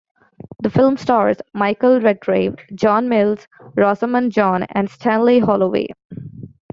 The film stars Michael Redgrave, John Mills, Rosamund John and Stanley Holloway.